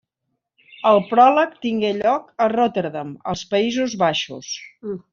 El pròleg tingué lloc a Rotterdam, als Països Baixos.